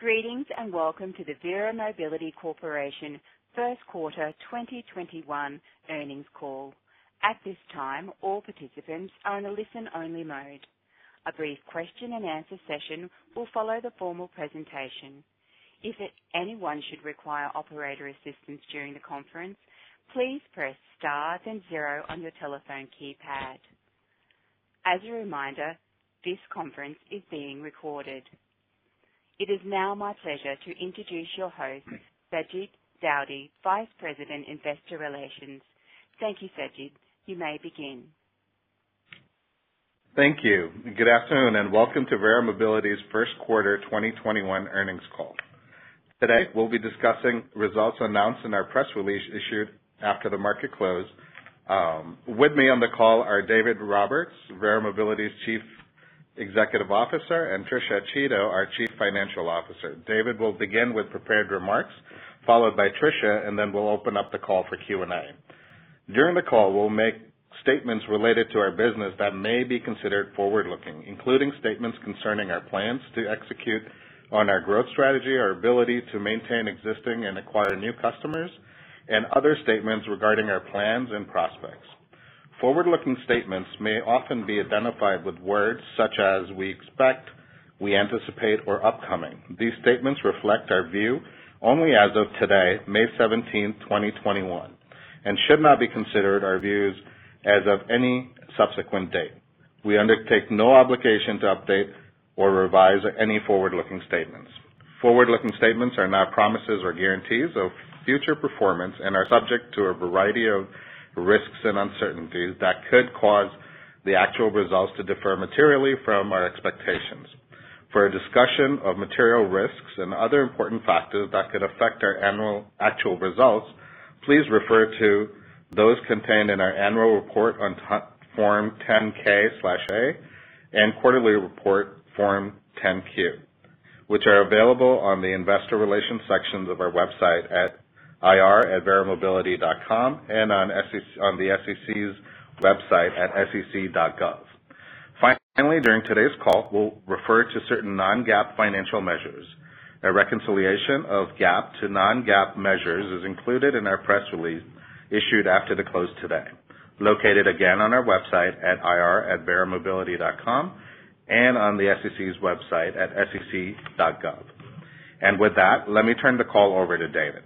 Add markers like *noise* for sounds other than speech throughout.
Greetings, and welcome to the Verra Mobility Corporation first quarter 2021 earnings call. At this time, all participants are in a listen-only mode. A brief question and answer session will follow the formal presentation. If anyone should require operator assistance during the conference, please press star then zero on your telephone keypad. As a reminder, this conference is being recorded. It is now my pleasure to introduce your host, Sajid Daudi, Vice President, Investor Relations. Thank you, Sajid. You may begin. Thank you. Good afternoon, and welcome to Verra Mobility's first-quarter 2021 earnings call. Today, we'll be discussing results announced in our press release issued after the market close. With me on the call are David Roberts, Verra Mobility's Chief Executive Officer, and Tricia Chiodo, our Chief Financial Officer. David will begin with prepared remarks, followed by Tricia, and then we'll open up the call for Q&A. During the call, we'll make statements related to our business that may be considered forward-looking, including statements concerning our plans to execute on our growth strategy, our ability to maintain existing and acquire new customers, and other statements regarding our plans and prospects. Forward-looking statements may often be identified with words such as "we expect," "we anticipate," or "upcoming." These statements reflect our view only as of today, May 17, 2021, and should not be considered our views as of any subsequent date. We undertake no obligation to update or revise any forward-looking statements. Forward-looking statements are not promises or guarantees of future performance and are subject to a variety of risks and uncertainties that could cause the actual results to differ materially from our expectations. For a discussion of material risks and other important factors that could affect our annual actual results, please refer to those contained in our annual report on Form 10-K/A and quarterly report Form 10-Q, which are available on the Investor Relations sections of our website at ir@verramobility.com and on the SEC's website at sec.gov. Finally, during today's call, we'll refer to certain non-GAAP financial measures. A reconciliation of GAAP to non-GAAP measures is included in our press release issued after the close today, located again on our website at ir@verramobility.com and on the SEC's website at sec.gov. With that, let me turn the call over to David.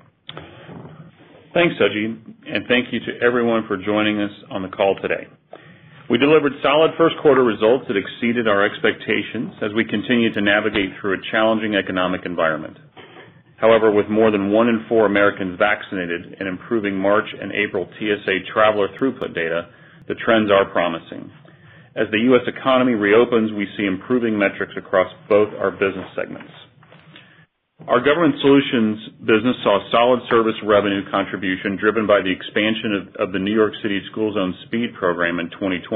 Thanks, Sajid, and thank you to everyone for joining us on the call today. We delivered solid first-quarter results that exceeded our expectations as we continue to navigate through a challenging economic environment. With more than one in four Americans vaccinated and improving March and April TSA traveler throughput data, the trends are promising. As the U.S. economy reopens, we see improving metrics across both our business segments. Our Government Solutions business saw solid service revenue contribution driven by the expansion of the New York City school zone speed program in 2020,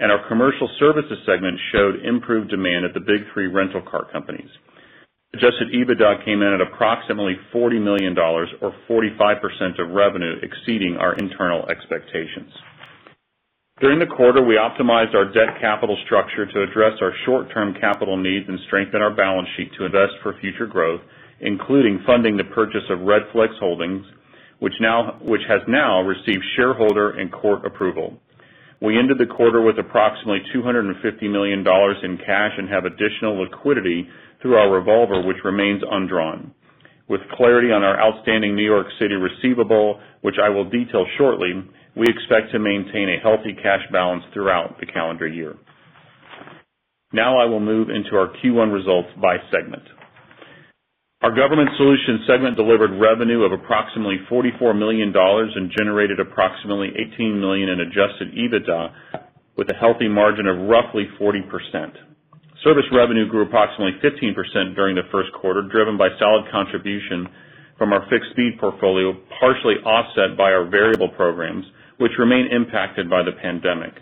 and our Commercial Services segment showed improved demand at the big three rental car companies. Adjusted EBITDA came in at approximately $40 million, or 45% of revenue exceeding our internal expectations. During the quarter, we optimized our debt capital structure to address our short-term capital needs and strengthen our balance sheet to invest for future growth, including funding the purchase of Redflex Holdings, which has now received shareholder and court approval. We ended the quarter with approximately $250 million in cash and have additional liquidity through our revolver, which remains undrawn. With clarity on our outstanding New York City receivable, which I will detail shortly, we expect to maintain a healthy cash balance throughout the calendar year. Now I will move into our Q1 results by segment. Our Government Solutions segment delivered revenue of approximately $44 million and generated approximately $18 million in Adjusted EBITDA with a healthy margin of roughly 40%. Service revenue grew approximately 15% during the first quarter, driven by solid contribution from our fixed fee portfolio, partially offset by our variable programs, which remain impacted by the pandemic.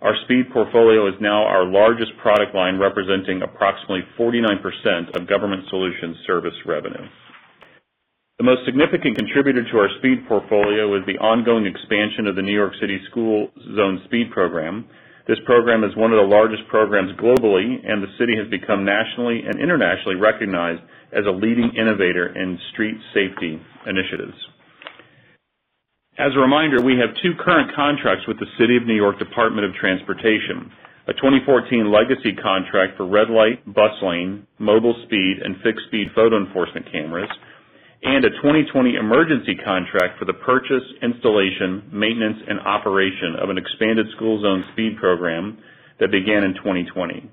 Our speed portfolio is now our largest product line, representing approximately 49% of Government Solutions service revenue. The most significant contributor to our speed portfolio is the ongoing expansion of the New York City school zone speed program. This program is one of the largest programs globally, the city has become nationally and internationally recognized as a leading innovator in street safety initiatives. As a reminder, we have two current contracts with the City of New York Department of Transportation: a 2014 legacy contract for red light, bus lane, mobile speed, and fixed speed photo enforcement cameras, and a 2020 emergency contract for the purchase, installation, maintenance, and operation of an expanded school zone speed program that began in 2020.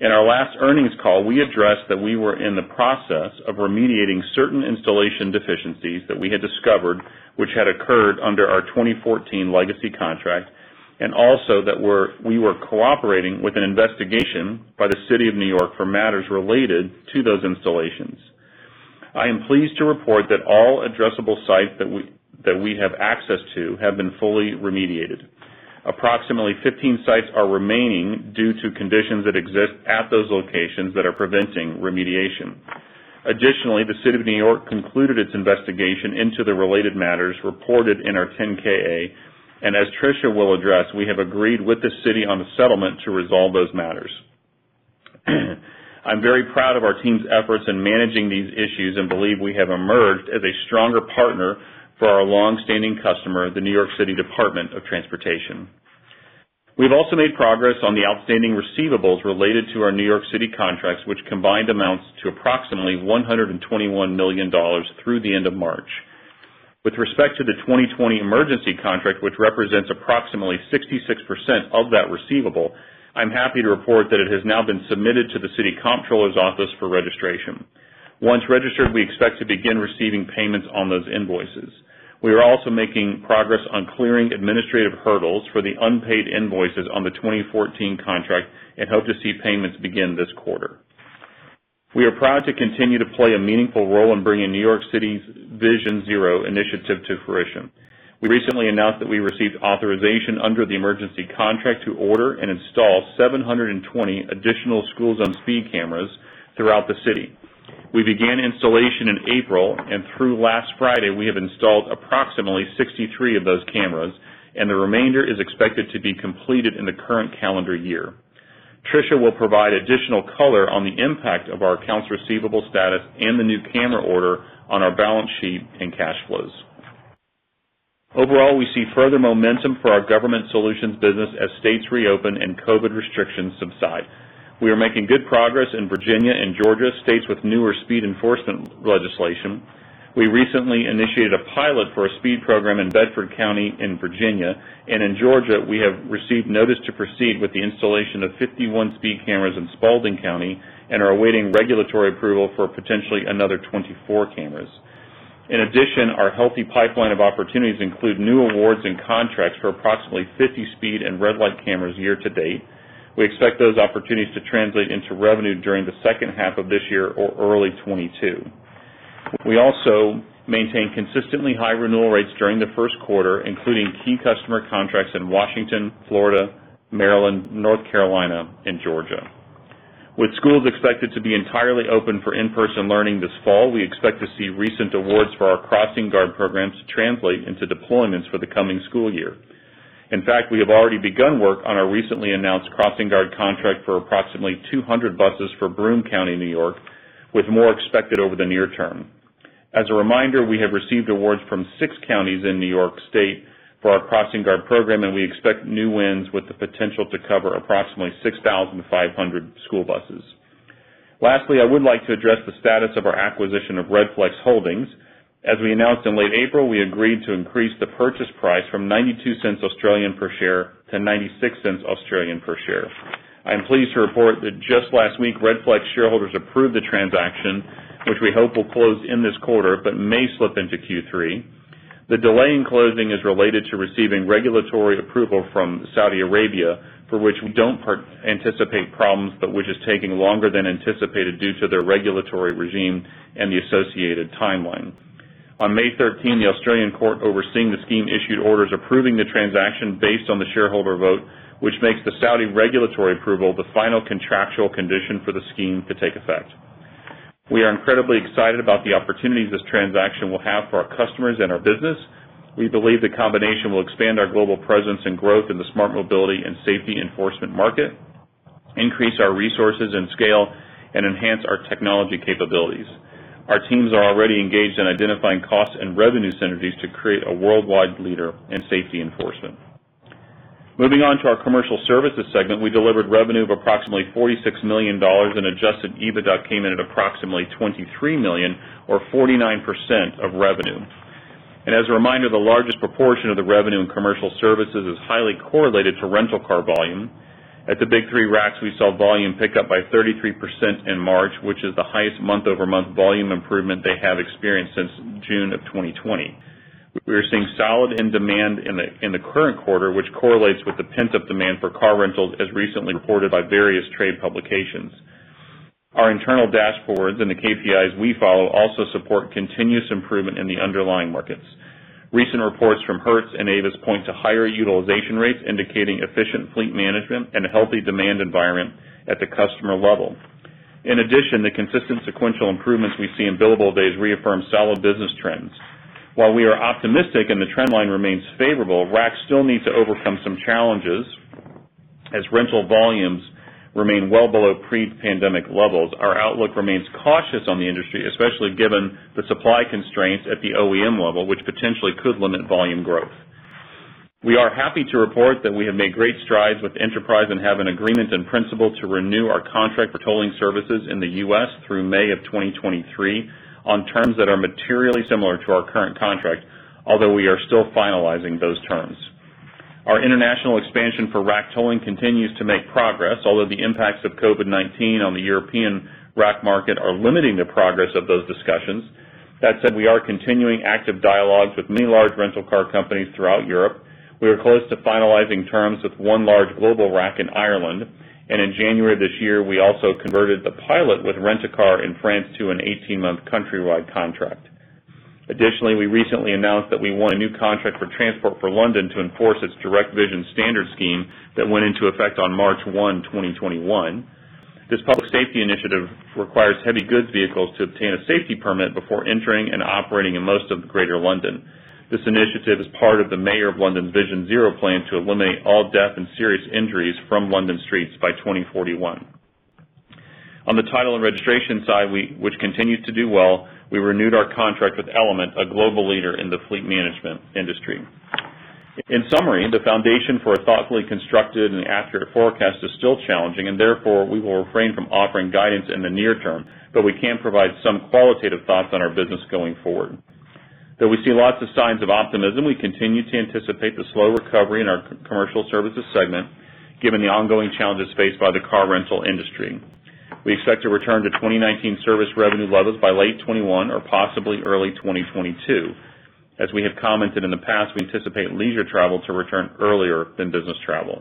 In our last earnings call, we addressed that we were in the process of remediating certain installation deficiencies that we had discovered which had occurred under our 2014 legacy contract and also that we were cooperating with an investigation by the City of New York for matters related to those installations. I am pleased to report that all addressable sites that we have access to have been fully remediated. Approximately 15 sites are remaining due to conditions that exist at those locations that are preventing remediation. The City of New York concluded its investigation into the related matters reported in our 10-K. As Tricia will address, we have agreed with the City on the settlement to resolve those matters. I'm very proud of our team's efforts in managing these issues and believe we have emerged as a stronger partner for our longstanding customer, the New York City Department of Transportation. We've also made progress on the outstanding receivables related to our New York City contracts, which combined amounts to approximately $121 million through the end of March. With respect to the 2020 emergency contract, which represents approximately 66% of that receivable, I'm happy to report that it has now been submitted to the New York City Comptroller's Office for registration. Once registered, we expect to begin receiving payments on those invoices. We are also making progress on clearing administrative hurdles for the unpaid invoices on the 2014 contract and hope to see payments begin this quarter. We are proud to continue to play a meaningful role in bringing New York City's Vision Zero initiative to fruition. We recently announced that we received authorization under the emergency contract to order and install 720 additional school zone speed cameras throughout the city. We began installation in April, and through last Friday, we have installed approximately 63 of those cameras, and the remainder is expected to be completed in the current calendar year. Tricia will provide additional color on the impact of our accounts receivable status and the new camera order on our balance sheet and cash flows. Overall, we see further momentum for our Government Solutions business as states reopen and COVID restrictions subside. We are making good progress in Virginia and Georgia, states with newer speed enforcement legislation. We recently initiated a pilot for a speed program in Bedford County in Virginia. In Georgia, we have received notice to proceed with the installation of 51 speed cameras in Spalding County and are awaiting regulatory approval for potentially another 24 cameras. In addition, our healthy pipeline of opportunities include new awards and contracts for approximately 50 speed and red light cameras year to date. We expect those opportunities to translate into revenue during the second half of this year or early 2022. We also maintain consistently high renewal rates during the first quarter, including key customer contracts in Washington, Florida, Maryland, North Carolina, and Georgia. With schools expected to be entirely open for in-person learning this fall, we expect to see recent awards for our CrossingGuard programs translate into deployments for the coming school year. In fact, we have already begun work on our recently announced CrossingGuard contract for approximately 200 buses for Broome County, New York, with more expected over the near term. As a reminder, we have received awards from six counties in New York State for our CrossingGuard program, and we expect new wins with the potential to cover approximately 6,500 school buses. Lastly, I would like to address the status of our acquisition of Redflex Holdings. As we announced in late April, we agreed to increase the purchase price from 0.92 per share to 0.96 per share. I'm pleased to report that just last week, Redflex shareholders approved the transaction, which we hope will close in this quarter but may slip into Q3. The delay in closing is related to receiving regulatory approval from Saudi Arabia, for which we don't anticipate problems, but which is taking longer than anticipated due to their regulatory regime and the associated timeline. On May 13, the Australian court overseeing the scheme issued orders approving the transaction based on the shareholder vote, which makes the Saudi regulatory approval the final contractual condition for the scheme to take effect. We are incredibly excited about the opportunities this transaction will have for our customers and our business. We believe the combination will expand our global presence and growth in the smart mobility and safety enforcement market, increase our resources and scale, and enhance our technology capabilities. Our teams are already engaged in identifying cost and revenue synergies to create a worldwide leader in safety enforcement. Moving on to our Commercial Services segment, we delivered revenue of approximately $46 million, and Adjusted EBITDA came in at approximately $23 million or 49% of revenue. As a reminder, the largest proportion of the revenue in Commercial Services is highly correlated to rental car volume. At the big three RACs, we saw volume pick up by 33% in March, which is the highest month-over-month volume improvement they have experienced since June 2020. We are seeing solid end demand in the current quarter, which correlates with the pent-up demand for car rentals as recently reported by various trade publications. Our internal dashboards and the KPIs we follow also support continuous improvement in the underlying markets. Recent reports from Hertz and Avis point to higher utilization rates, indicating efficient fleet management and a healthy demand environment at the customer level. In addition, the consistent sequential improvements we see in billable days reaffirm solid business trends. While we are optimistic and the trend line remains favorable, Verra Mobility still needs to overcome some challenges as rental volumes remain well below pre-pandemic levels. Our outlook remains cautious on the industry, especially given the supply constraints at the OEM level, which potentially could limit volume growth. We are happy to report that we have made great strides with Enterprise and have an agreement in principle to renew our contract for tolling services in the U.S. through May 2023 on terms that are materially similar to our current contract, although we are still finalizing those terms. Our international expansion for RAC tolling continues to make progress, although the impacts of COVID-19 on the European RAC market are limiting the progress of those discussions. That said, we are continuing active dialogues with many large rental car companies throughout Europe. We are close to finalizing terms with one large global RAC in Ireland. In January this year, we also converted the pilot with Rent-A-Car in France to an 18-month countrywide contract. Additionally, we recently announced that we won a new contract for Transport for London to enforce its Direct Vision Standard scheme that went into effect on March 1, 2021. This public safety initiative requires heavy goods vehicles to obtain a safety permit before entering and operating in most of Greater London. This initiative is part of the Mayor of London's Vision Zero plan to eliminate all death and serious injuries from London streets by 2041. On the title and registration side, which continues to do well, we renewed our contract with Element, a global leader in the fleet management industry. In summary, the foundation for a thoughtfully constructed and accurate forecast is still challenging, and therefore, we will refrain from offering guidance in the near term, though we can provide some qualitative thoughts on our business going forward. Though we see lots of signs of optimism, we continue to anticipate the slow recovery in our Commercial Services segment, given the ongoing challenges faced by the car rental industry. We expect to return to 2019 service revenue levels by late 2021 or possibly early 2022. As we have commented in the past, we anticipate leisure travel to return earlier than business travel.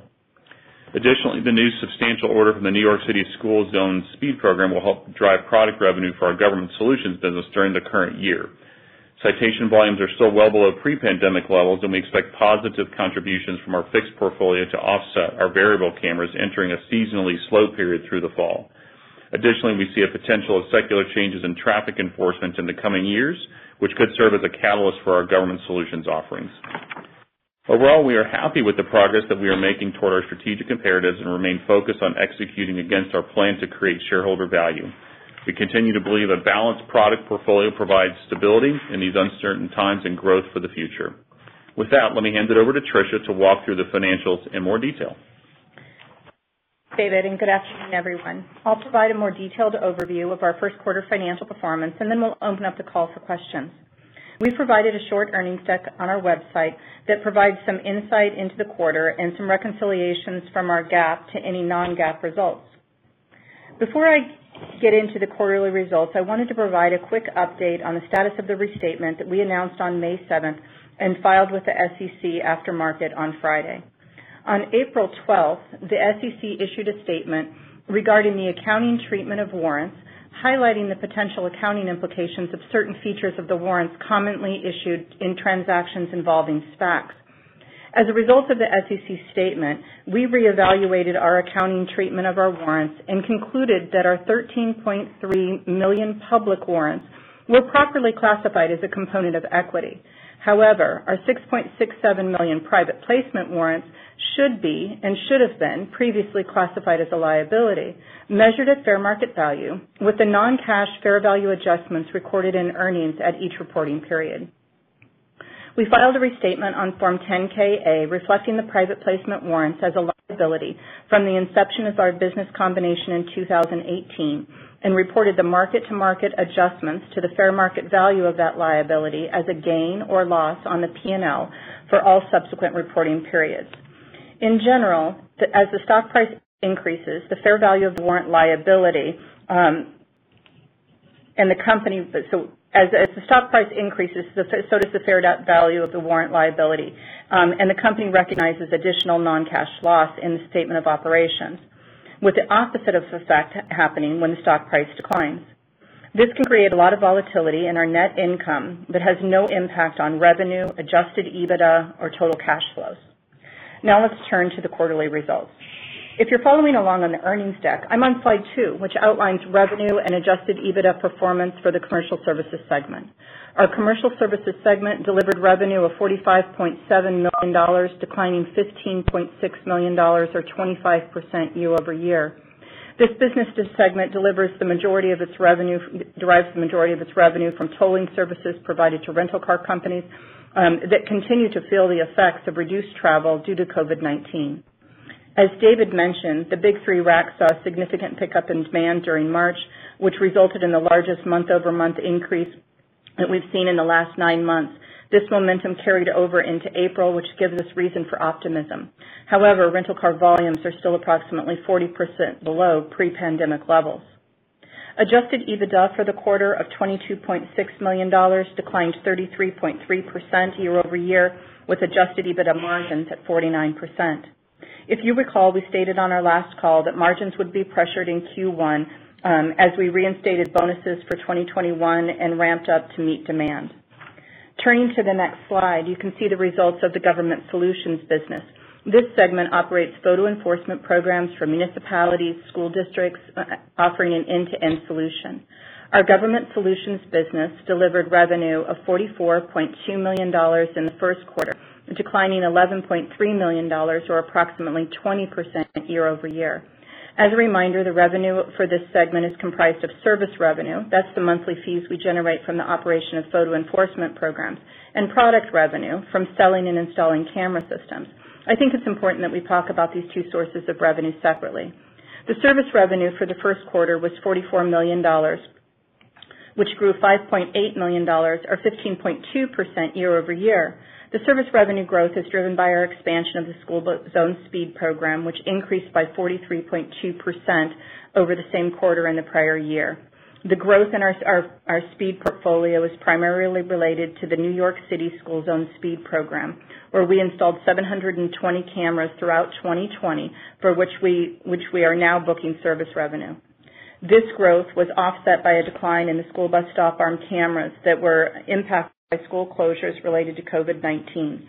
Additionally, the new substantial order from the New York City school zone speed program will help drive product revenue for our Government Solutions business during the current year. Citation volumes are still well below pre-pandemic levels, and we expect positive contributions from our fixed portfolio to offset our variable cameras entering a seasonally slow period through the fall. We see a potential of secular changes in traffic enforcement in the coming years, which could serve as a catalyst for our Government Solutions offerings. Overall, we are happy with the progress that we are making toward our strategic imperatives and remain focused on executing against our plan to create shareholder value. We continue to believe a balanced product portfolio provides stability in these uncertain times and growth for the future. With that, let me hand it over to Tricia to walk through the financials in more detail. David, good afternoon, everyone. I'll provide a more detailed overview of our first quarter financial performance, and then we'll open up the call for questions. We provided a short earnings deck on our website that provides some insight into the quarter and some reconciliations from our GAAP to any non-GAAP results. Before I get into the quarterly results, I wanted to provide a quick update on the status of the restatement that we announced on May 7th and filed with the SEC after market on Friday. On April 12th, the SEC issued a statement regarding the accounting treatment of warrants, highlighting the potential accounting implications of certain features of the warrants commonly issued in transactions involving SPACs. As a result of the SEC statement, we reevaluated our accounting treatment of our warrants and concluded that our 13.3 million public warrants were properly classified as a component of equity. However, our 6.67 million Private Placement Warrants should be and should've been previously classified as a liability, measured at fair market value, with the non-cash fair value adjustments recorded in earnings at each reporting period. We filed a restatement on Form 10-K/A reflecting the private placement warrants as a liability from the inception of our business combination in 2018 and reported the market-to-market adjustments to the fair market value of that liability as a gain or loss on the P&L for all subsequent reporting periods. In general, as the stock price increases, the fair value of the warrant liability, and the company recognizes additional non-cash loss in the statement of operations, with the opposite effect happening when the stock price declines. This can create a lot of volatility in our net income that has no impact on revenue, Adjusted EBITDA, or total cash flows. Now let's turn to the quarterly results. If you're following along on the earnings deck, I'm on slide two, which outlines revenue and Adjusted EBITDA performance for the Commercial Services segment. Our Commercial Services segment delivered revenue of $45.7 million, declining $15.6 million or 25% year-over-year. This business segment derives the majority of its revenue from tolling services provided to rental car companies that continue to feel the effects of reduced travel due to COVID-19. As David mentioned, the big three RACs saw a significant pickup in demand during March, which resulted in the largest month-over-month increase that we've seen in the last nine months. This momentum carried over into April, which gives us reason for optimism. However, rental car volumes are still approximately 40% below pre-pandemic levels. Adjusted EBITDA for the quarter of $22.6 million declined 33.3% year-over-year, with Adjusted EBITDA margins at 49%. If you recall, we stated on our last call that margins would be pressured in Q1 as we reinstated bonuses for 2021 and ramped up to meet demand. Turning to the next slide, you can see the results of the Government Solutions business. This segment operates photo enforcement programs for municipalities, school districts, offering an end-to-end solution. Our Government Solutions business delivered revenue of $44.2 million in the first quarter, declining $11.3 million, or approximately 20% year-over-year. As a reminder, the revenue for this segment is comprised of service revenue, that's the monthly fees we generate from the operation of photo enforcement programs, and product revenue from selling and installing camera systems. I think it's important that we talk about these two sources of revenue separately. The service revenue for the first quarter was $44 million, which grew $5.8 million or 15.2% year-over-year. The service revenue growth is driven by our expansion of the school zone speed program, which increased by 43.2% over the same quarter in the prior year. The growth in our speed portfolio is primarily related to the New York City school zone speed program, where we installed 720 cameras throughout 2020, for which we are now booking service revenue. This growth was offset by a decline in the school bus stop arm cameras that were impacted by school closures related to COVID-19.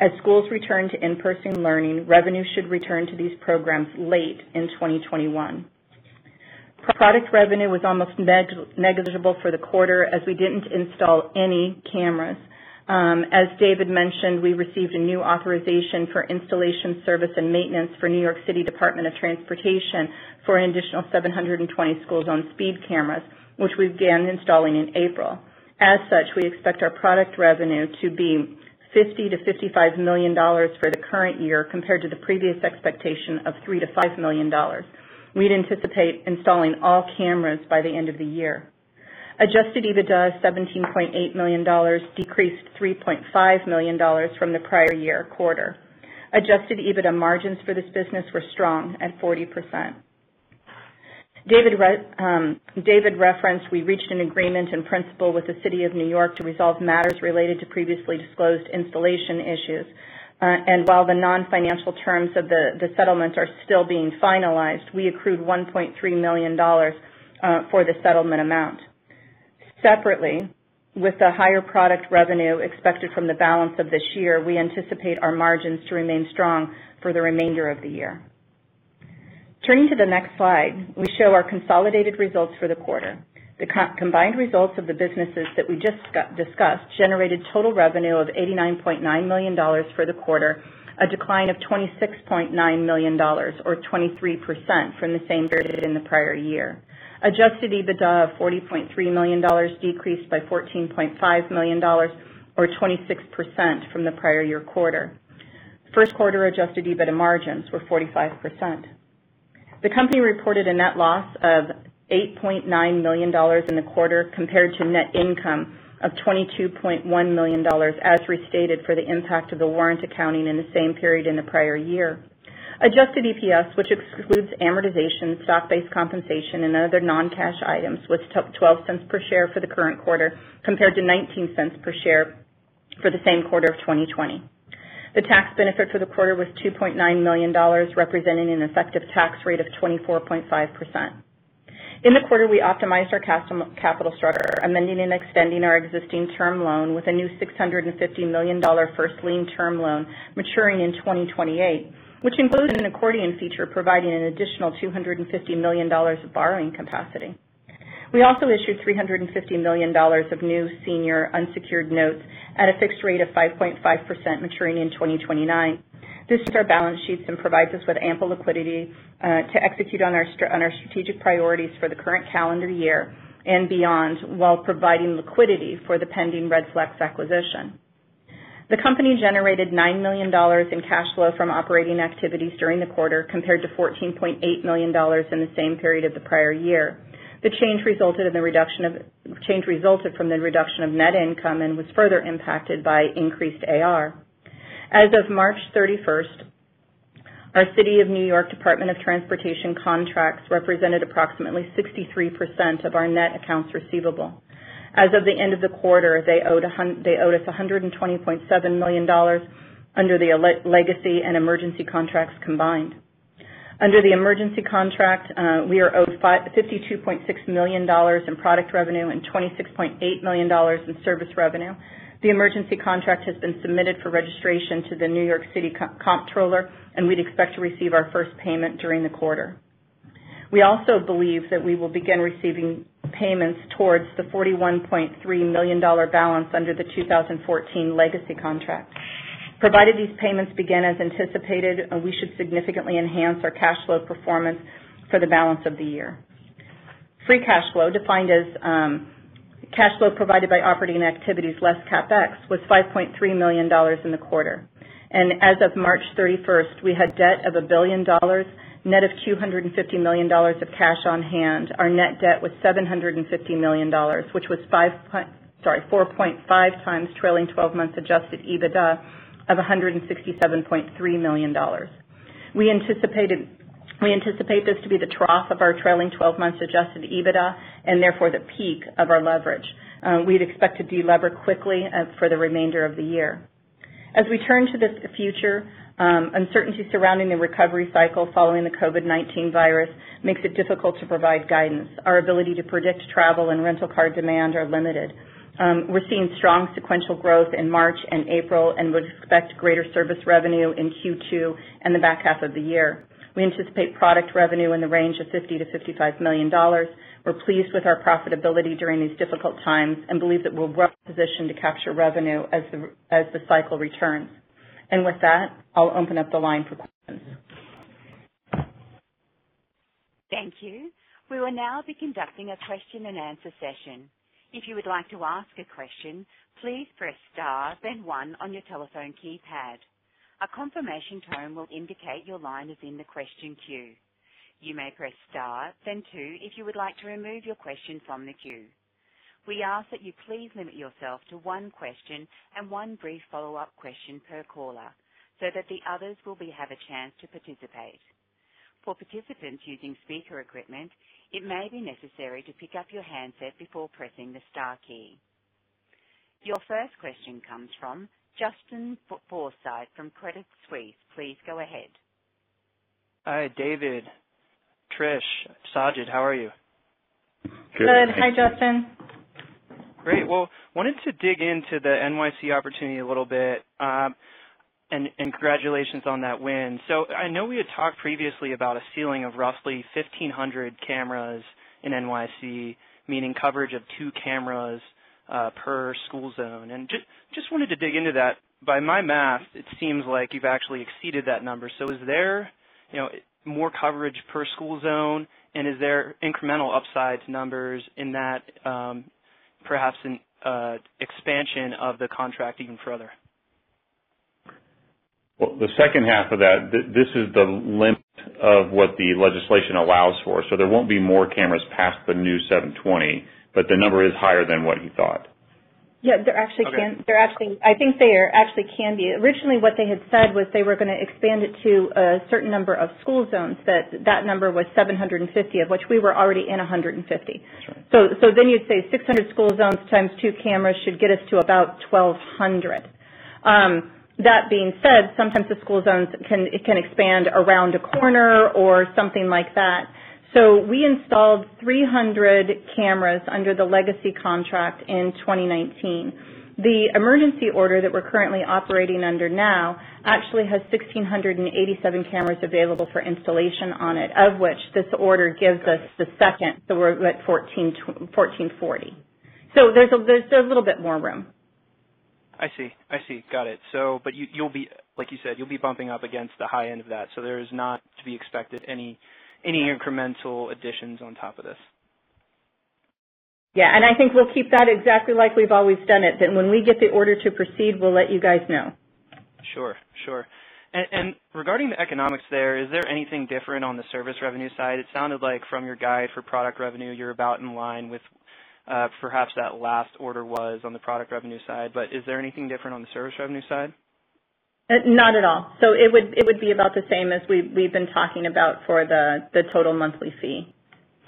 As schools return to in-person learning, revenue should return to these programs late in 2021. Product revenue was almost negligible for the quarter as we didn't install any cameras. As David mentioned, we received a new authorization for installation, service, and maintenance for New York City Department of Transportation for an additional 720 schools on speed cameras, which we began installing in April. As such, we expect our product revenue to be $50 million-$55 million for the current year compared to the previous expectation of $3 million-$5 million. We anticipate installing all cameras by the end of the year. Adjusted EBITDA is $17.8 million, decreased $3.5 million from the prior year quarter. Adjusted EBITDA margins for this business were strong at 40%. David referenced we reached an agreement in principle with the City of New York to resolve matters related to previously disclosed installation issues. While the non-financial terms of the settlement are still being finalized, we accrued $1.3 million for the settlement amount. Separately, with the higher product revenue expected from the balance of this year, we anticipate our margins to remain strong for the remainder of the year. Turning to the next slide, we show our consolidated results for the quarter. The combined results of the businesses that we just discussed generated total revenue of $89.9 million for the quarter, a decline of $26.9 million, or 23%, from the same period in the prior year. Adjusted EBITDA of $40.3 million decreased by $14.5 million, or 26%, from the prior year quarter. First quarter Adjusted EBITDA margins were 45%. The company reported a net loss of $8.9 million in the quarter compared to net income of $22.1 million, as restated for the impact of the warrant accounting in the same period in the prior year. Adjusted EPS, which excludes amortization, stock-based compensation, and other non-cash items, was $0.12 per share for the current quarter compared to $0.19 per share for the same quarter of 2020. The tax benefit for the quarter was $2.9 million, representing an effective tax rate of 24.5%. In the quarter, we optimized our capital structure, amending and extending our existing term loan with a new $650 million first-lien term loan maturing in 2028, which included an accordion feature providing an additional $250 million of borrowing capacity. We also issued $350 million of new senior unsecured notes at a fixed rate of 5.5% maturing in 2029. This is our balance sheet and provides us with ample liquidity to execute on our strategic priorities for the current calendar year and beyond while providing liquidity for the pending Redflex acquisition. The company generated $9 million in cash flow from operating activities during the quarter, compared to $14.8 million in the same period of the prior year. The change resulted from the reduction of net income and was further impacted by increased AR. As of March 31st, our City of New York Department of Transportation contracts represented approximately 63% of our net accounts receivable. As of the end of the quarter, they owe us $120.7 million under the legacy and emergency contracts combined. Under the emergency contract, we are owed $52.6 million in product revenue and $26.8 million in service revenue. The emergency contract has been submitted for registration to the New York City Comptroller, and we'd expect to receive our first payment during the quarter. We also believe that we will begin receiving payments towards the $41.3 million balance under the 2014 legacy contract. Provided these payments begin as anticipated, we should significantly enhance our cash flow performance for the balance of the year. Free cash flow, defined as cash flow provided by operating activities less CapEx, was $5.3 million in the quarter. As of March 31st, we had debt of $1 billion, net of $250 million of cash on hand. Our net debt was $750 million, which was 4.5x trailing 12 months Adjusted EBITDA of $167.3 million. We anticipate this to be the trough of our trailing 12 months Adjusted EBITDA and therefore the peak of our leverage. We'd expect to delever quickly for the remainder of the year. As we turn to the future, uncertainty surrounding the recovery cycle following the COVID-19 virus makes it difficult to provide guidance. Our ability to predict travel and rental car demand are limited. We're seeing strong sequential growth in March and April and would expect greater service revenue in Q2 and the back half of the year. We anticipate product revenue in the range of $50 million-$55 million. We're pleased with our profitability during these difficult times and believe that we'll be well-positioned to capture revenue as the cycle returns. With that, I'll open up the line for questions. Thank you. We will now be conducting a question and answer session. If you would like to ask a question, please press star then one on your telephone keypad. A confirmation tone will indicate your line is in the question queue. You may press star then two if you would like to remove your question from the queue. We ask that you please limit yourself to one question and one brief follow-up question per caller, so that the others will have a chance to participate. For participants using speaker equipment, it maybe necessary to pick up your handset before pressing the star key. Your first question comes from Justin Forsythe from Credit Suisse. Please go ahead. Hi, David. Trish. Sajid, how are you? Good. Hi Justin. Good. Hi, Justin. Great. Wanted to dig into the NYC opportunity a little bit, and congratulations on that win. I know we had talked previously about a ceiling of roughly 1,500 cameras in NYC, meaning coverage of two cameras per school zone, and just wanted to dig into that. By my math, it seems like you've actually exceeded that number. Is there more coverage per school zone, and is there incremental upside numbers in that perhaps an expansion of the contract even further? Well, the second half of that, this is the limit of what the legislation allows for. There won't be more cameras past the new 720, but the number is higher than what you thought. Yeah. I think they are actually can be. Originally what they had said was they were going to expand it to a certain number of school zones, that number was 750, of which we were already in 150. You say 600 school zones times two cameras should get us to about 1,200. That being said, sometimes the school zones can expand around a corner or something like that. We installed 300 cameras under the legacy contract in 2019. The emergency order that we're currently operating under now actually has 1,687 cameras available for installation on it, of which this order gives us the second, so we're at 1,440. There's a little bit more room. I see. Got it. Like you said, you'll be bumping up against the high end of that. There is not to be expected any incremental additions on top of this. Yeah. I think we'll keep that exactly like we've always done it, that when we get the order to proceed, we'll let you guys know. Sure. Regarding the economics there, is there anything different on the service revenue side? It sounded like from your guide for product revenue, you're about in line with perhaps that last order was on the product revenue side, but is there anything different on the service revenue side? Not at all. It would be about the same as we've been talking about for the total monthly fee.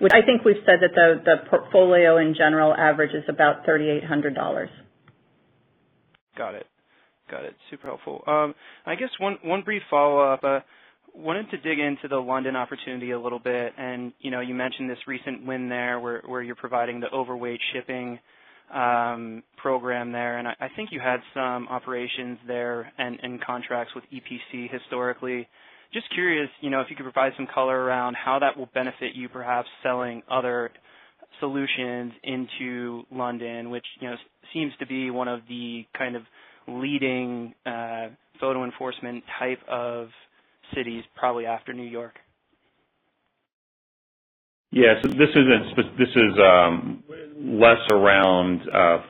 Which I think we said that the portfolio in general averages about $3,800. Got it. Super helpful. I guess one brief follow-up. Wanted to dig into the London opportunity a little bit, and you mentioned this recent win there where you're providing the overweight shipping program there, and I think you had some operations there and contracts with EPC historically. Just curious, if you could provide some color around how that will benefit you, perhaps selling other solutions into London, which seems to be one of the kind of leading photo enforcement type of cities, probably after New York. Yeah. This is less around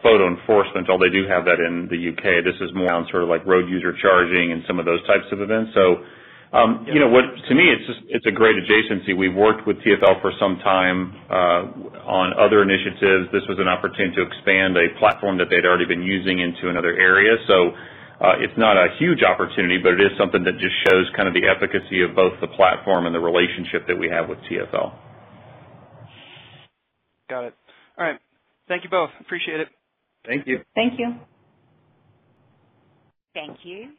photo enforcement, although they do have that in the U.K. This is more on sort of road user charging and some of those types of events. To me, it's a great adjacency. We've worked with TfL for some time on other initiatives. This was an opportunity to expand a platform that they'd already been using into another area. It's not a huge opportunity, but it is something that just shows kind of the efficacy of both the platform and the relationship that we have with TfL. Got it. All right. Thank you both. Appreciate it. Thank you. Thank you. Thank you.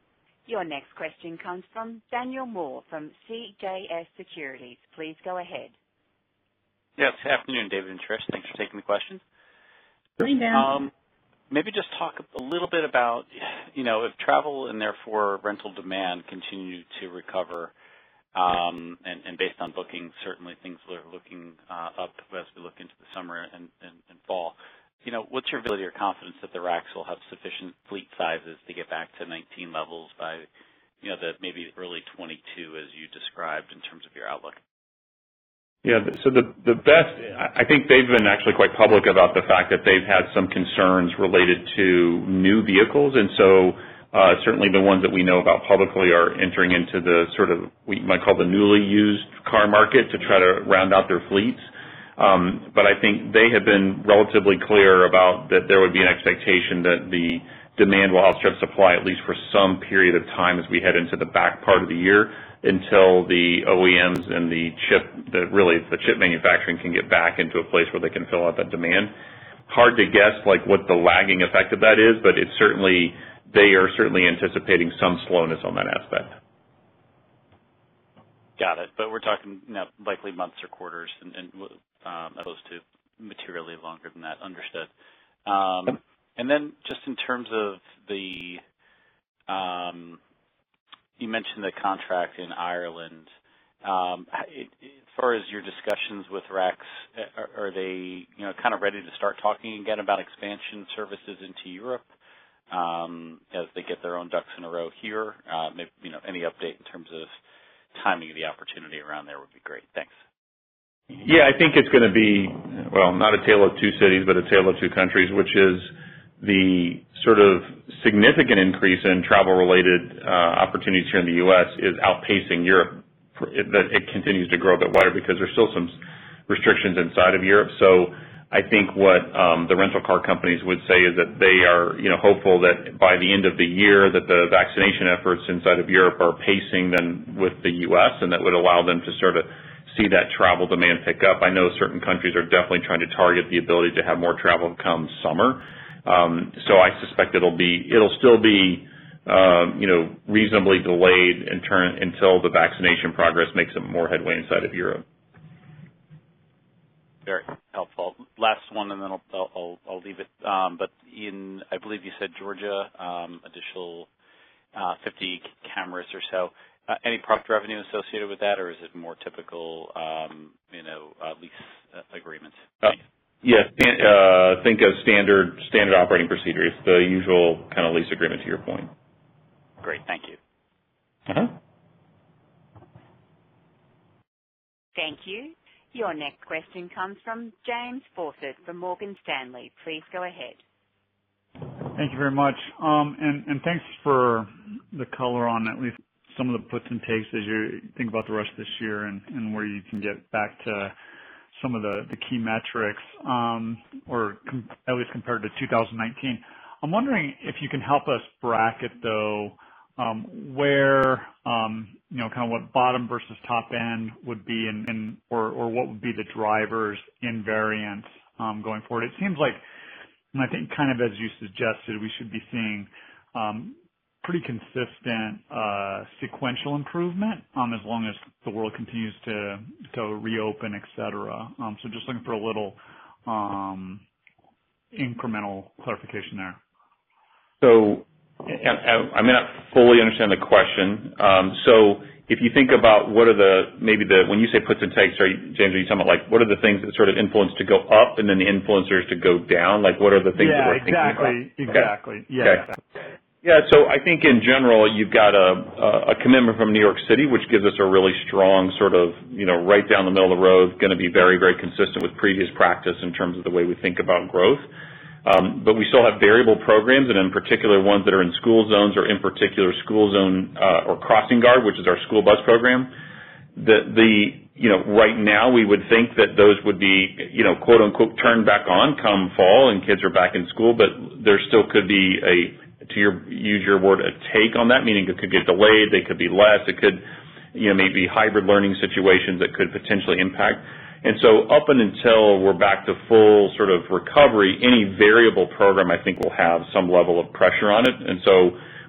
Your next question comes from Daniel Moore from CJS Securities. Please go ahead. Good afternoon, David and Trish. Thanks for taking the question. Good afternoon, Dan. Maybe just talk a little bit about if travel and therefore rental demand continue to recover, and based on booking, certainly things are looking up as we look into the summer and fall. What's your confidence that the RACs will have sufficient fleet sizes to get back to 2019 levels by maybe early 2022, as you described in terms of your outlook? I think they've been actually quite public about the fact that they've had some concerns related to new vehicles. Certainly the ones that we know about publicly are entering into the sort of we might call the newly used car market to try to round out their fleets. I think they have been relatively clear about that there would be an expectation that the demand will outstrip supply at least for some period of time as we head into the back part of the year until the OEMs and the chip manufacturing can get back into a place where they can fill up that demand. Hard to guess what the lagging effect of that is, but they are certainly anticipating some slowness on that aspect. Got it. We're talking likely months or quarters and as opposed to materially longer than that. Understood. Then just in terms of the You mentioned the contract in Ireland. As far as your discussions with RACs, are they kind of ready to start talking again about expansion services into Europe as they get their own ducks in a row here? Any update in terms of timing of the opportunity around there would be great. Thanks. Yeah, I think it's going to be, well, not a tale of two cities, but a tale of two countries, which is the sort of significant increase in travel-related opportunity here in the U.S. is outpacing Europe. It continues to grow at wider because there's still some restrictions inside of Europe. I think what the rental car companies would say is that they are hopeful that by the end of the year that the vaccination efforts inside of Europe are pacing then with the U.S. See that travel demand pick up. I know certain countries are definitely trying to target the ability to have more travel come summer. I suspect it'll still be reasonably delayed until the vaccination progress makes it more headway inside of Europe. Very helpful. Last one, then I'll leave it. I believe you said Georgia, additional 50 cameras or so. Any product revenue associated with that? Is it more typical lease agreements? Yes. Think of standard operating procedure. It's the usual lease agreement, to your point. Great. Thank you. Thank you. Your next question comes from James Faucette from Morgan Stanley. Please go ahead. Thank you very much. Thanks for the color on at least some of the puts and takes as you think about the rest of this year and where you can get back to some of the key metrics, or at least compared to 2019. I'm wondering if you can help us bracket, though, what bottom versus top end would be or what would be the drivers in variance going forward. It seems like, I think as you suggested, we should be seeing pretty consistent sequential improvement as long as the world continues to reopen, etc. Just looking for a little incremental clarification there. I'm not fully understand the question. If you think about maybe when you say puts and takes, James, are you talking about what are the things that sort of influence to go up and then the influencers to go down? What are the things that I think about? Yeah, exactly. Okay. Yeah. I think in general, you've got a commitment from New York City, which gives us a really strong sort of right down the middle of the road, going to be very consistent with previous practice in terms of the way we think about growth. We still have variable programs, and in particular, ones that are in school zones or in particular school zone or CrossingGuard, which is our school bus program. That right now we would think that those would be "turned back on" come fall and kids are back in school, there still could be, to use your word, a take on that, meaning it could get delayed, they could be less, it could maybe hybrid learning situations that could potentially impact. Up until we're back to full sort of recovery, any variable program I think will have some level of pressure on it.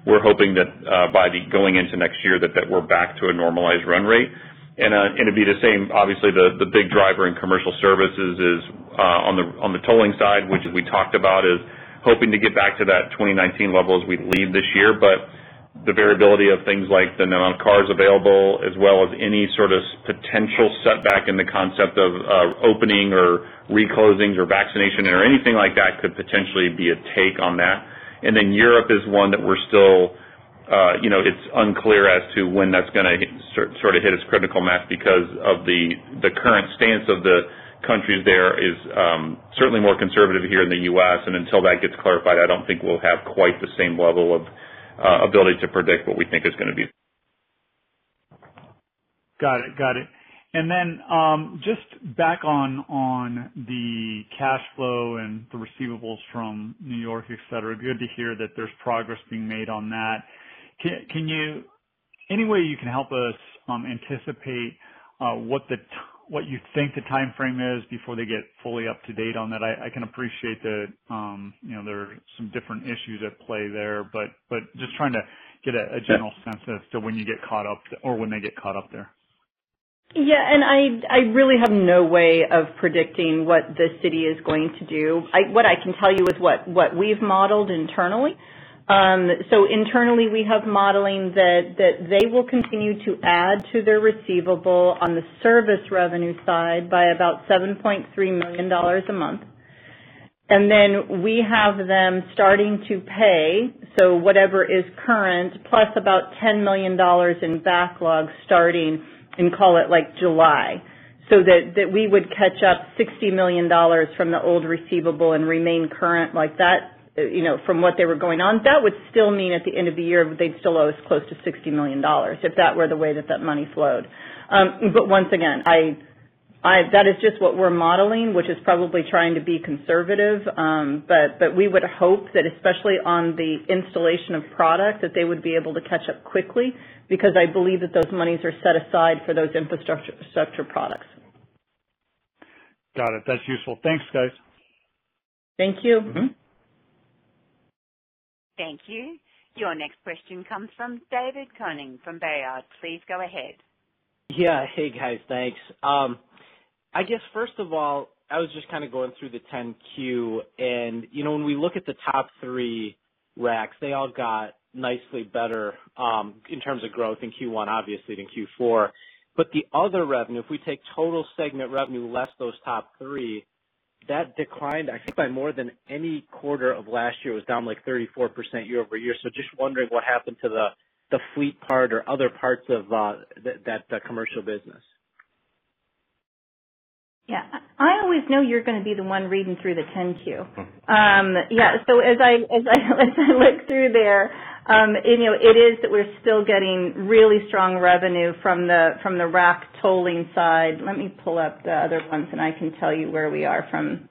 We're hoping that by going into next year that we're back to a normalized run rate. It'd be the same, obviously, the big driver in Commercial Services is on the tolling side, which as we talked about, is hoping to get back to that 2019 level as we leave this year. The variability of things like the amount of cars available as well as any sort of potential setback in the concept of opening or reclosing or vaccination or anything like that could potentially be a take on that. Europe is one that it's unclear as to when that's going to sort of hit its critical mass because of the current stance of the countries there is certainly more conservative here in the U.S. Until that gets clarified, I don't think we'll have quite the same level of ability to predict what we think is going to be. Got it. Just back on the cash flow and the receivables from New York, etc. Good to hear that there's progress being made on that. Any way you can help us anticipate what you think the timeframe is before they get fully up to date on that? I can appreciate that there are some different issues at play there, just trying to get a general sense as to when you get caught up or when they get caught up there. I really have no way of predicting what the city is going to do. What I can tell you is what we've modeled internally. Internally, we have modeling that they will continue to add to the receivable on the service revenue side by about $7.3 million a month. We have them starting to pay, whatever is current, plus about $10 million in backlog starting, we call it like July. That we would catch up $60 million from the old receivable and remain current like that from what they were going on. That would still mean at the end of the year, they'd still owe us close to $60 million, if that were the way that that money flows. Once again, that is just what we're modeling, which is probably trying to be conservative. We would hope that especially on the installation of product, that they would be able to catch up quickly because I believe that those monies are set aside for those infrastructure products. Got it. That's useful. Thanks, guys. Thank you. Thank you. Your next question comes from David Koning from Baird. Please go ahead. Yeah. Hey, guys. Thanks. I guess first of all, I was just kind of going through the 10-Q, when we look at the top three RACs, they all got nicely better in terms of growth in Q1, obviously than Q4. The other revenue, if we take total segment revenue less those top three, that declined actually by more than any quarter of last year. It was down like 34% year-over-year. Just wondering what happened to the fleet part or other parts of the commercial business. Yeah. I always knew you were going to be the one reading through the 10-Q. As I went through there, it is that we're still getting really strong revenue from the RAC tolling side. Let me pull up the other ones and I can tell you where we are from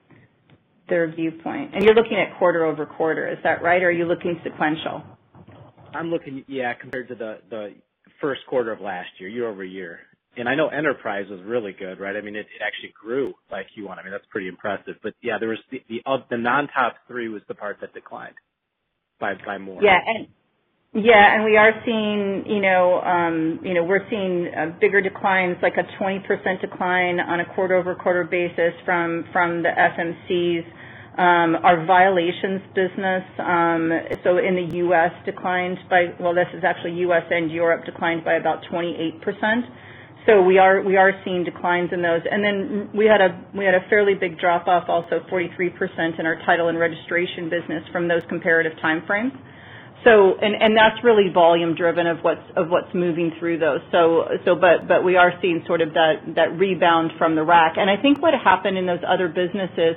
their viewpoint. You're looking at quarter-over-quarter, is that right? Or are you looking sequential? I'm looking, yeah, compared to the first quarter of last year-over-year. I know Enterprise was really good, right? I mean, it actually grew if you want, that's pretty impressive. Yeah, of the non-top three was the part that declined by more. Yeah. We're seeing bigger declines, like a 20% decline on a quarter-over-quarter basis from the FMCs. Our violations business in the U.S. declined by, well, this is actually U.S. and Europe declined by about 28%. We are seeing declines in those. Then we had a fairly big drop-off, also 43% in our title and registration business from those comparative timeframes. That's really volume-driven of what's moving through those. We are seeing sort of that rebound from the RAC. I think what happened in those other businesses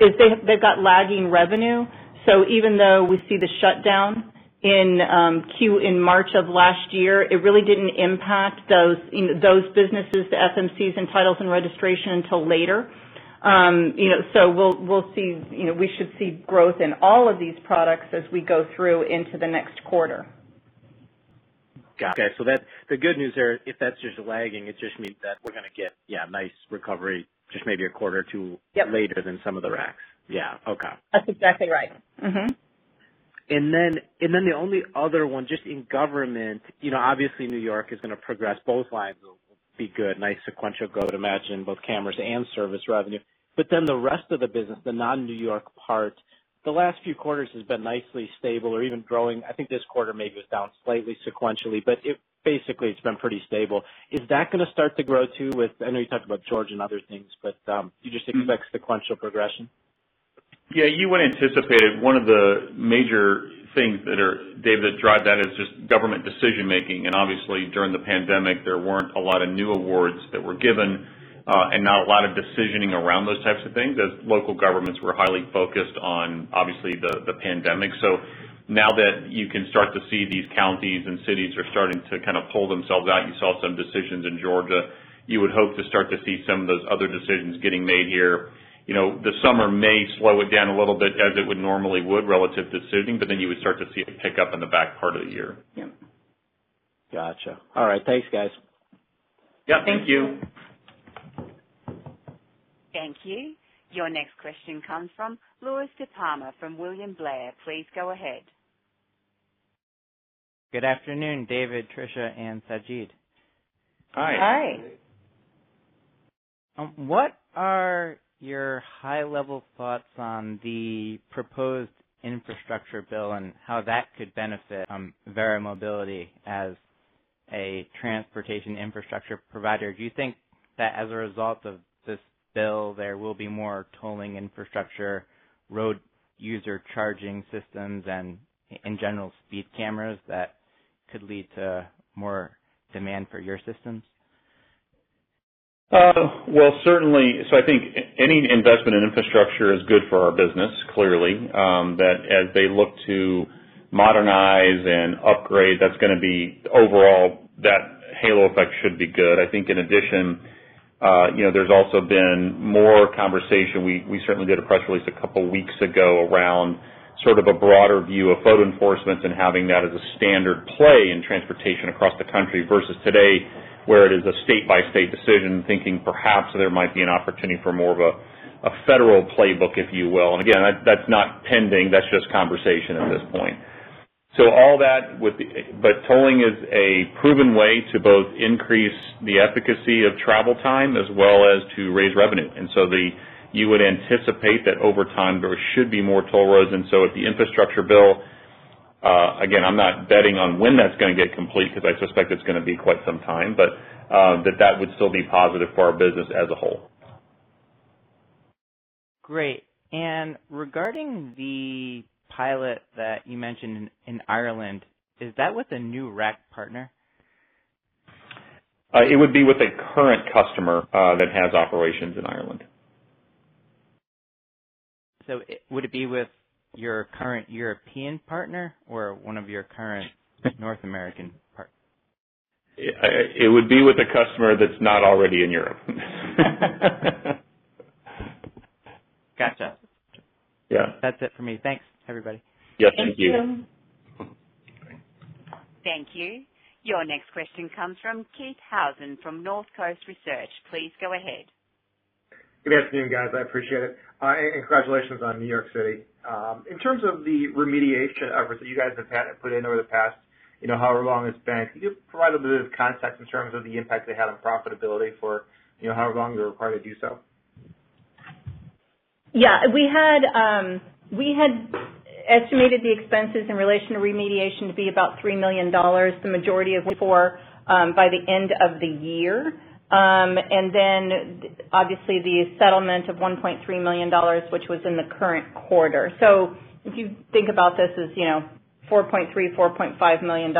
is they've got lagging revenue. Even though we see the shutdown in Q in March of last year, it really didn't impact those businesses, the FMCs and titles and registration until later. We should see growth in all of these products as we go through into the next quarter. Got it. The good news there, if that's just lagging, it just means that we're going to get, yeah, nice recovery, just maybe a quarter or two later than some of the RACs. That's exactly right. The only other one, just in government, obviously New York is going to progress. Both lines will be good, nice sequential growth, I would imagine, both cameras and service revenue. The rest of the business, the non-New York part, the last few quarters has been nicely stable or even growing. I think this quarter may be down slightly sequentially, but it basically has been pretty stable. Is that going to start to grow, too? I know you talked about Georgia and other things, but do you just see that sequential progression? Yeah, you would anticipate one of the major things that are, David, drive that is just government decision-making. Obviously, during the pandemic, there weren't a lot of new awards that were given and not a lot of decisioning around those types of things, as local governments were highly focused on, obviously, the pandemic. Now that you can start to see these counties and cities are starting to kind of pull themselves out, you saw some decisions in Georgia. You would hope to start to see some of those other decisions getting made here. The summer may slow it down a little bit as it would normally would relative to issuing, then you would start to see it pick up in the back part of the year. Yeah. Got you. All right. Thanks, guys. Yeah, thank you. Thank you. Your next question comes from Louie DiPalma from William Blair. Please go ahead. Good afternoon, David, Tricia, and Sajid. Hi. Hi. What are your high-level thoughts on the proposed infrastructure bill and how that could benefit Verra Mobility as a transportation infrastructure provider? Do you think that as a result of this bill, there will be more tolling infrastructure, road user charging systems, and in general, speed cameras that could lead to more demand for your systems? Certainly. I think any investment in infrastructure is good for our business, clearly. That as they look to modernize and upgrade, that's going to be overall, that halo effect should be good. I think in addition, there's also been more conversation. We certainly did a press release a couple of weeks ago around sort of a broader view of photo enforcement and having that as a standard play in transportation across the country versus today, where it is a state-by-state decision, thinking perhaps there might be an opportunity for more of a federal playbook, if you will. Again, that's not pending. That's just conversation at this point. All that, but tolling is a proven way to both increase the efficacy of travel time as well as to raise revenue. You would anticipate that over time, there should be more toll roads. With the infrastructure bill, again, I'm not betting on when that's going to get complete because I suspect it's going to be quite some time, but that would still be positive for our business as a whole. Great. Regarding the pilot that you mentioned in Ireland, is that with a new RAC partner? It would be with a current customer that has operations in Ireland. Would it be with your current European partner or one of your current North American partners? It would be with a customer that's not already in Europe. Got you. Yeah. That's it for me. Thanks, everybody. Yeah, thank you. Thank you. Thank you. Your next question comes from Keith Housum from Northcoast Research. Please go ahead. Good afternoon, guys. I appreciate it. Congratulations on New York City. In terms of the remediation efforts you guys have put in over the past, how long it's been, can you provide a bit of context in terms of the impact it had on profitability for how long you were required to do so? Yeah. We had estimated the expenses in relation to remediation to be about $3 million, the majority of it for by the end of the year. Obviously the settlement of $1.3 million, which was in the current quarter. If you think about this as $4.3, $4.5 million,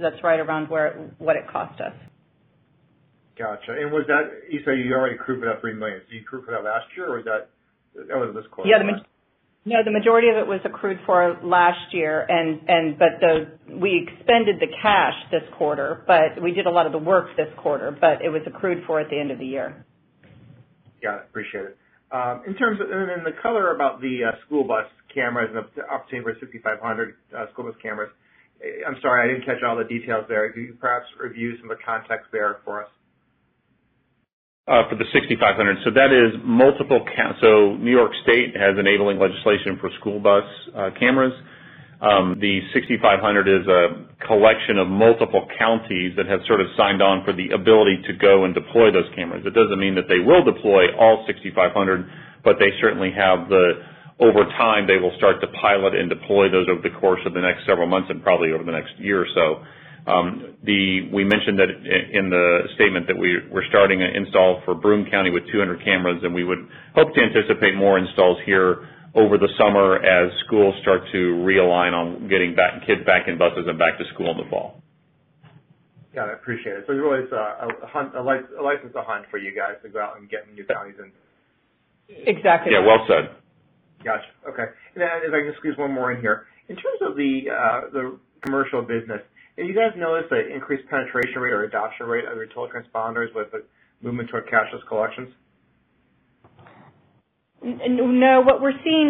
that's right around what it cost us. Got you. You said you only accrued about $3 million. Did you accrue for that last year, or was that this quarter? Yeah, the majority of it was accrued for last year, but we expended the cash this quarter. We did a lot of the work this quarter, but it was accrued for at the end of the year. Got it. Appreciate it. In terms of the color about the school bus cameras, the *inaudible* 6,500 school bus cameras. I'm sorry, I didn't catch all the details there. Can you perhaps review some of the context there for us? For the 6,500. New York State has enabling legislation for school bus cameras. The 6,500 is a collection of multiple counties that have sort of signed on for the ability to go and deploy those cameras. It doesn't mean that they will deploy all 6,500. Over time, they will start to pilot and deploy those over the course of the next several months and probably over the next year or so. We mentioned in the statement that we're starting an install for Broome County with 200 cameras, and we would hope to anticipate more installs here over the summer as schools start to realign on getting kids back in buses and back to school in the fall. Got it. Appreciate it. It's really a license to hunt for you guys to go out and get new counties in. Exactly. Yeah. Well said. Got you. Okay. If I can squeeze one more in here. In terms of the commercial business, have you guys noticed an increased penetration rate or adoption rate of your toll transponders with the movement toward cashless collections? We're seeing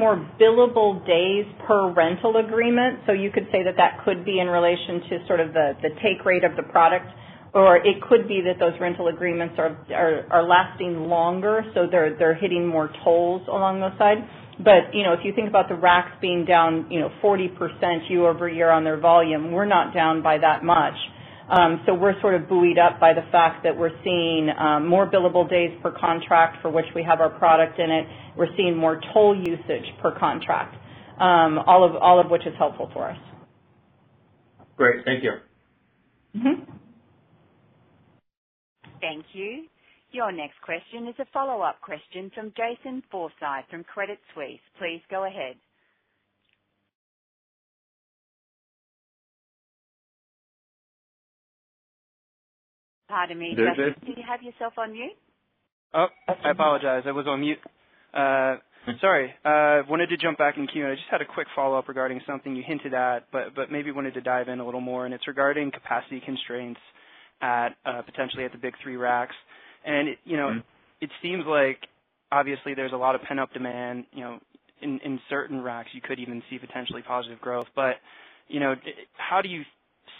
more billable days per rental agreement. You could say that could be in relation to sort of the take rate of the product, or it could be that those rental agreements are lasting longer, so they're hitting more tolls along the way. If you think about the RACs being down 40% year-over-year on their volume, we're not down by that much. We're sort of buoyed up by the fact that we're seeing more billable days per contract for which we have our product in it. We're seeing more toll usage per contract. All of which is helpful for us. Great. Thank you. Thank you. Your next question is a follow-up question from Justin Forsythe from Credit Suisse. Please go ahead. Pardon me, Justin. Did you have yourself on mute? I apologize. I was on mute. Sorry. Wanted to jump back in queue. I just had a quick follow-up regarding something you hinted at, but maybe wanted to dive in a little more, and it's regarding capacity constraints potentially at the big three RACs. It seems like obviously there's a lot of pent-up demand. In certain RACs you could even see potentially positive growth. How do you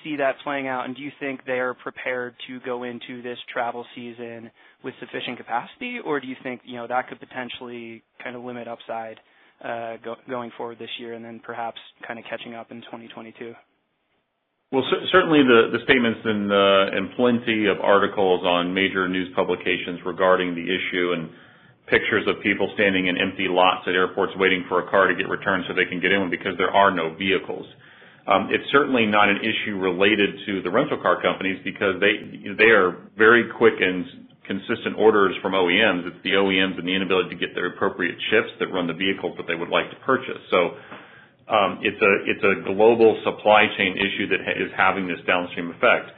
see that playing out? Do you think they are prepared to go into this travel season with sufficient capacity? Do you think that could potentially kind of limit upside going forward this year and then perhaps kind of catching up in 2022? Certainly the statements and plenty of articles on major news publications regarding the issue and pictures of people standing in empty lots at airports waiting for a car to get returned so they can get in because there are no vehicles. It's certainly not an issue related to the rental car companies because they are very quick and consistent orders from OEMs. It's the OEMs and the inability to get their appropriate chips that run the vehicle that they would like to purchase. It's a global supply chain issue that is having this downstream effect.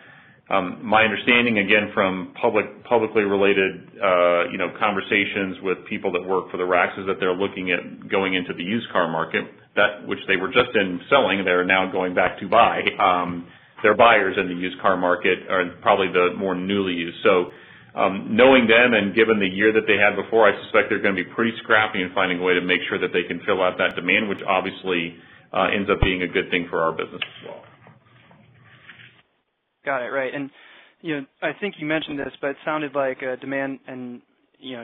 My understanding, again, from publicly related conversations with people that work for the RACs is that they're looking at going into the used car market, which they were just in selling, they're now going back to buy. They're buyers in the used car market and probably the more newly used. Knowing them and given the year that they had before, I suspect they're going to be pretty scrappy in finding a way to make sure that they can fill out that demand, which obviously ends up being a good thing for our business as well. Got it. Right. I think you mentioned this, but it sounded like demand and you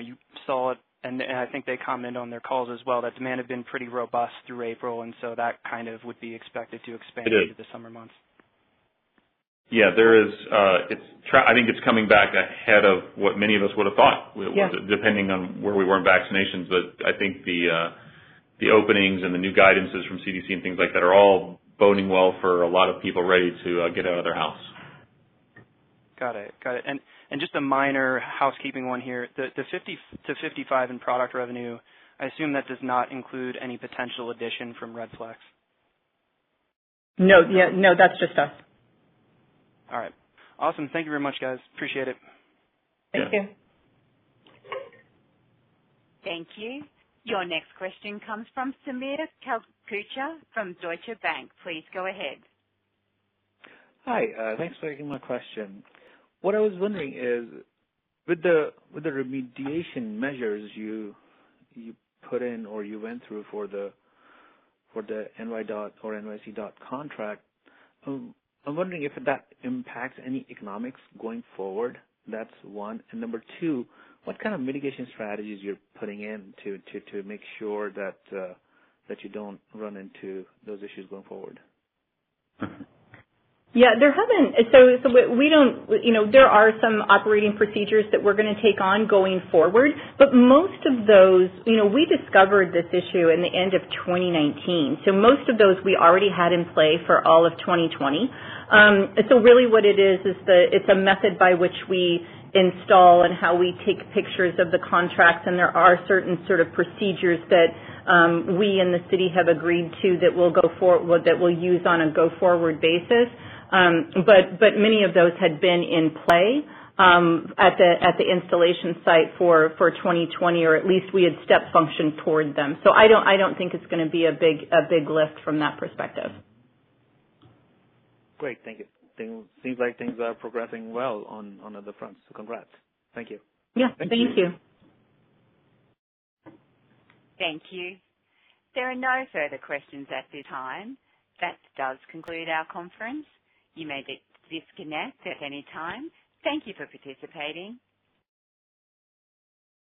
saw it, and I think they commented on their calls as well, that demand had been pretty robust through April, and so that kind of would be expected to expand into the summer months. Yeah. I think it's coming back ahead of what many of us would have thought depending on where we were in vaccinations. I think the openings and the new guidance's from CDC and things like that are all boding well for a lot of people ready to get out of their house. Got it. Just a minor housekeeping one here. The $50-$55 in product revenue, I assume that does not include any potential addition from Redflex? No, that's just us. All right. Awesome. Thank you very much, guys. Appreciate it. Thank you. Thank you. Your next question comes from Sameer Kalucha from Deutsche Bank. Please go ahead. Hi. Thanks for taking my question. What I was wondering is, with the remediation measures you put in or you went through for the NYC DOT contract, I'm wondering if that impacts any economics going forward. That's one. Number two, what kind of mitigation strategies you're putting in to make sure that you don't run into those issues going forward? Yeah. There are some operating procedures that we're going to take on going forward. We discovered this issue in the end of 2019. Most of those we already had in place for all of 2020. Really what it is, it's a method by which we install and how we take pictures of the contract, and there are certain sort of procedures that we and the city have agreed to that we'll use on a go-forward basis. Many of those had been in play at the installation site for 2020, or at least we had step functioned toward them. I don't think it's going to be a big lift from that perspective. Great. Thank you. Seems like things are progressing well on other fronts, so congrats. Thank you. Yeah. Thank you. Thank you. There are no further questions at this time. That does conclude our conference. You may disconnect at any time. Thank you for participating.